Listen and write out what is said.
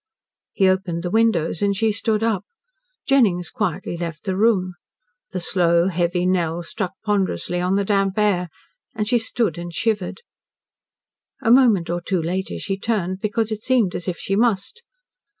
He opened the windows, and she stood up. Jennings quietly left the room. The slow, heavy knell struck ponderously on the damp air, and she stood and shivered. A moment or two later she turned, because it seemed as if she must.